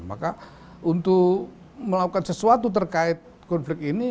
maka untuk melakukan sesuatu terkait konflik ini